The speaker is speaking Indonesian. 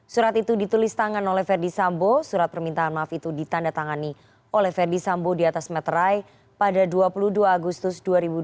surat itu ditulis tangan oleh ferdisambo surat permintaan maaf itu ditanda tangani oleh ferdisambo di atas meterai pada dua puluh dua agustus dua ribu dua puluh dua